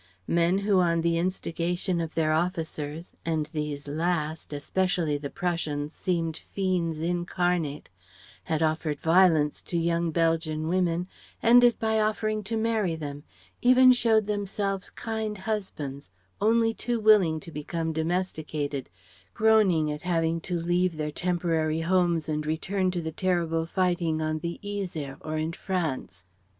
Men who on the instigation of their officers and these last, especially the Prussians, seemed fiends incarnate had offered violence to young Belgian women, ended by offering to marry them, even showed themselves kind husbands, only too willing to become domesticated, groaning at having to leave their temporary homes and return to the terrible fighting on the Yser or in France.